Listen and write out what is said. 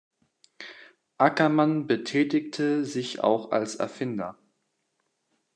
Ackermann betätigte sich auch als Erfinder.